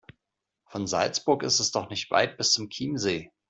Von Salzburg ist es doch nicht weit bis zum Chiemsee.